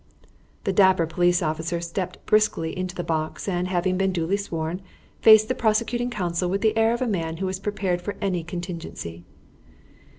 The dapper police officer stepped briskly into the box, and having been duly sworn, faced the prosecuting counsel with the air of a man who was prepared for any contingency.